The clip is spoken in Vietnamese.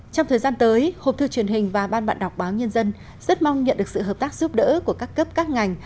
trong thời gian tới hộp thư truyền hình và ban bạn đọc báo nhân dân rất mong nhận được sự hợp tác giúp đỡ của các cấp các ngành